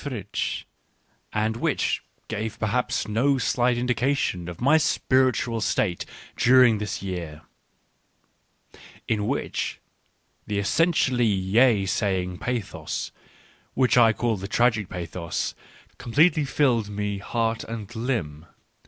Fritsch, and which gave perhaps no slight indication of my spiritual stateduring^this year, in which the essen fialtyr^a saymg pathos, which I ca ll the tragic tpatKbs, CGttipletelyJilkrime heart and limb.